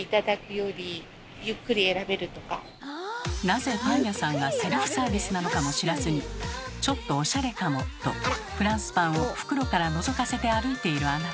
なぜパン屋さんがセルフサービスなのかも知らずに「ちょっとオシャレかも」とフランスパンを袋からのぞかせて歩いているあなた。